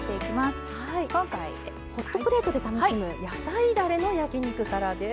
ホットプレートで楽しむ野菜だれの焼き肉からです。